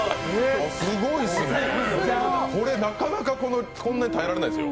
これ、なかなかこんなに耐えられないですよ。